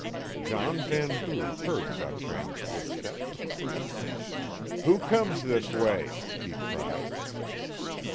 John Vanbrugh heard Gautran's footsteps. "Who comes this way?" he cried.